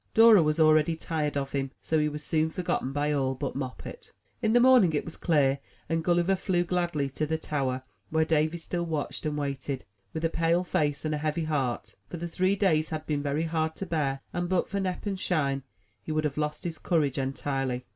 Dora was already tired of him; so he was soon forgotten by all but Moppet. In the morning it was clear; and Gulliver flew gladly to the tower where Davy still watched and waited, with a pale face and heavy heart, for the three days had been very hard to bear, and, but for Nep and Shine, he would have lost his courage entirely.